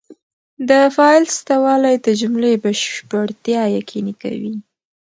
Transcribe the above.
د فاعل سته والى د جملې بشپړتیا یقیني کوي.